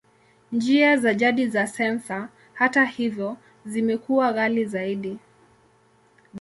Njia za jadi za sensa, hata hivyo, zimekuwa ghali zaidi.